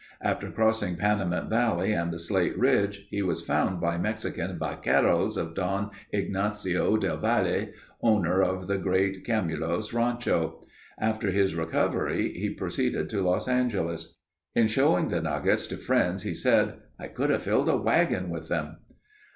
After crossing Panamint Valley and the Slate Range, he was found by Mexican vaqueros of Don Ignacio del Valle, owner of the great Camulos Rancho. After his recovery he proceeded to Los Angeles. In showing the nuggets to friends he said, "I could have filled a wagon with them."